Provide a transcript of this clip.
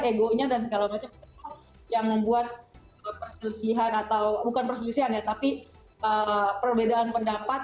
egonya dan segala macam itu yang membuat perselisihan atau bukan perselisihan ya tapi perbedaan pendapat